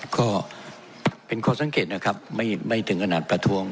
ก็เป็นข้อสังเกตนะครับไม่ถึงขนาดประท้วง